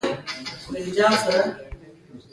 تر مازیګره مېله ډېره ګرمه او ډکه وه.